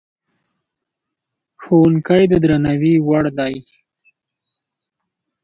ښوونکی د درناوي وړ دی.